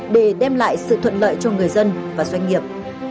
để đem lại sự thuận lợi cho người dân và doanh nghiệp